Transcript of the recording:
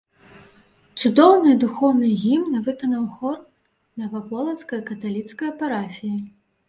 Цудоўныя духоўныя гімны выканаў хор наваполацкае каталіцкае парафіі.